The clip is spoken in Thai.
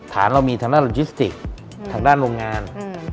ฐานเรามีทางด้านโลจิสติกทางด้านโรงงาน